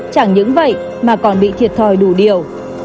chẳng những vậy mà còn bị thiệt thòi đủ điều